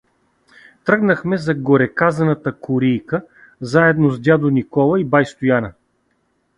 Тръгнахме за гореказаната корийка, заедно с дядо Никола и бай Стояна.